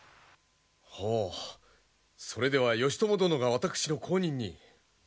ほうそれでは義朝殿が私の後任に？